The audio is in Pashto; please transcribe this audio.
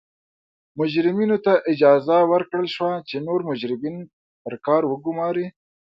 مجرمینو ته اجازه ورکړل شوه چې نور مجرمین پر کار وګوماري.